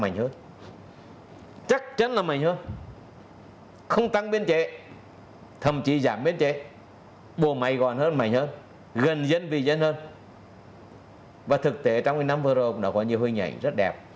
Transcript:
mạnh hơn chắc chắn là mạnh hơn không tăng biên trệ thậm chí giảm biên trệ bồ mây còn hơn mạnh hơn gần dân vì dân hơn và thực tế trong một mươi năm vừa rồi cũng đã có nhiều hơi nhảy rất đẹp